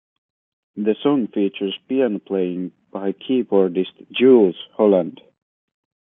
The song features piano playing by keyboardist Jools Holland.